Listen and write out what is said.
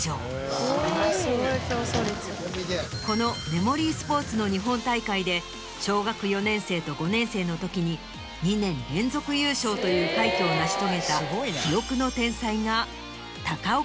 このメモリースポーツの日本大会で小学４年生と５年生の時に２年連続優勝という快挙を成し遂げた。